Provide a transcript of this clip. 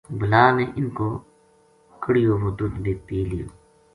بلا نے اِنھ کو کَڑھیو وو دُدھ بے پی لیو